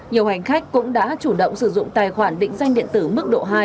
nhiều hành khách cũng đã chủ động sử dụng tài khoản định danh điện tử mức độ hai